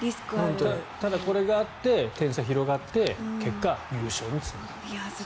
ただ、これがあって点差が広がって結果、優勝につながった。